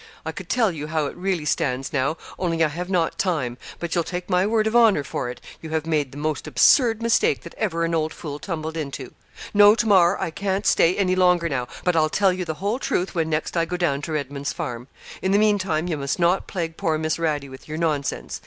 I could tell you how it really stands now, only I have not time; but you'll take my word of honour for it, you have made the most absurd mistake that ever an old fool tumbled into. No, Tamar, I can't stay any longer now; but I'll tell you the whole truth when next I go down to Redman's Farm. In the meantime, you must not plague poor Miss Radie with your nonsense.